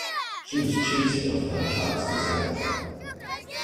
She was cheated of her heart's desire.